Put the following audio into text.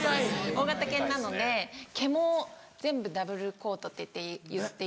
大型犬なので毛も全部ダブルコートっていって。